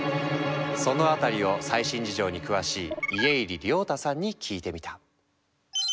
そのあたりを最新事情に詳しい家入龍太さんに聞いてみた。